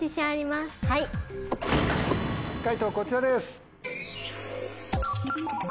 解答こちらです。